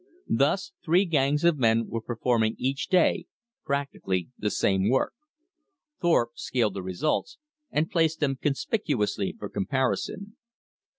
Thus three gangs of men were performing each day practically the same work. Thorpe scaled the results, and placed them conspicuously for comparison.